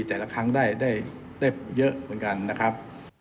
แต่ละครั้งได้เยอะเหมือนกันนะครับ